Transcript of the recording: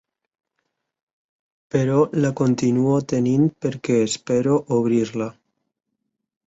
Però la continuo tenint perquè espero obrir-la.